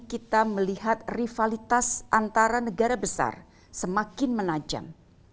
kita melihat rivalitas antara negara besar semakin menajam